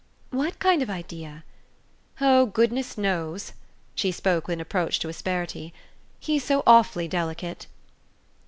"What kind of idea?" "Oh goodness knows!" She spoke with an approach to asperity. "He's so awfully delicate."